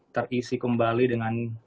terisi kembali dengan